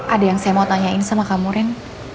ada yang saya mau tanyain sama kamu ren